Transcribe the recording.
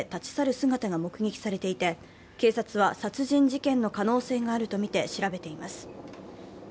姿が目撃されていて、警察は殺人事件の可能性があるとみて調べています。